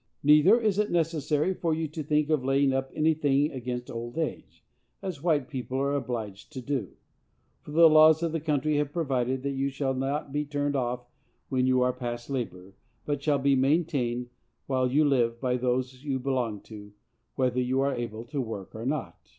Neither is it necessary for you to think of laying up anything against old age, as white people are obliged to do; for the laws of the country have provided that you shall not be turned off when you are past labor, but shall be maintained, while you live, by those you belong to, whether you are able to work or not.